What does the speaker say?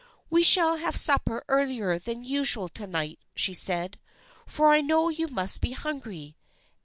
" We shall have supper earlier than usual to night," she said, " for I know you must be hungry.